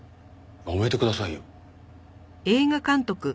やめてくださいよ。